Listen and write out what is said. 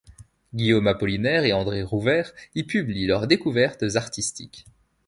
Guillaume Apollinaire et André Rouveyre y publient leurs découvertes artistiques.